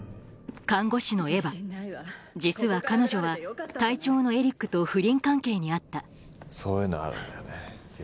実は彼女は隊長のエリックと不倫関係にあったそういうのあるんだよね。